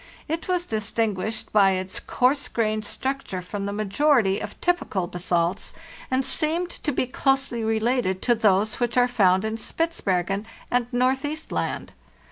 It was distinguished by its coarse grained structure from the majority of typical basalts, and seemed to be closely related to those which are found in Spitzbergen and Northeast Land.